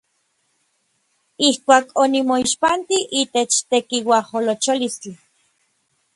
Ijkuak onimoixpantij itech tekiuajolocholistli.